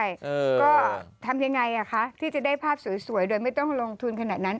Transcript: เออก็ทำยังไงอ่ะคะที่จะได้ภาพสวยโดยไม่ต้องลงทุนขนาดนั้น